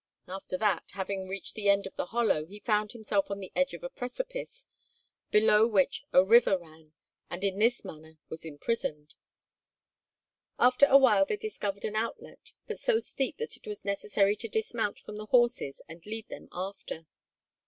After that, having reached the end of the hollow, he found himself on the edge of a precipice below which a river ran, and in this manner was imprisoned. After a while they discovered an outlet but so steep that it was necessary to dismount from the horses and lead them after.